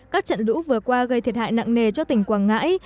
các trận lũ vừa qua gây thiệt hại nặng nề cho tỉnh quảng ngãi